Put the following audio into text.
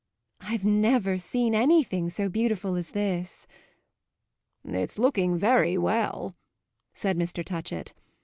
"I've never seen anything so beautiful as this." "It's looking very well," said Mr. Touchett.